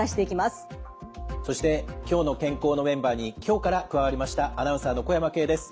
そして「きょうの健康」のメンバーに今日から加わりましたアナウンサーの小山径です。